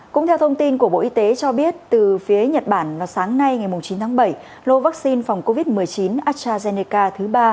cũng theo thông tin của bộ y tế cho biết từ phía nhật bản vào sáng nay ngày chín tháng bảy lô vaccine phòng covid một mươi chín astrazeneca thứ ba